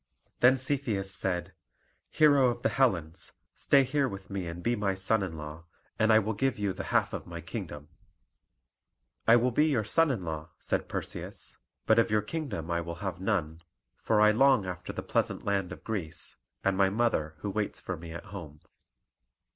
Then Cepheus said, "Hero of the Hellens, stay here with me and be my son in law, and I will give you the half of my kingdom." "I will be your son in law," said Perseus, "but of your kingdom I will have none, for I long after the pleasant land of Greece, and my mother who waits for me at home."